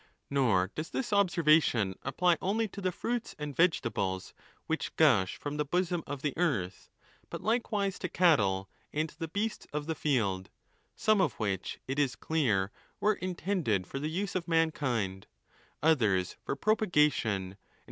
Nor does this observation apply only to the fruits and vegetables which gush from the bosom of the earth, but likewise to cattle and the beasts of the field, some of which, it is clear, were in tended for the use of mankind, others for propagation, and.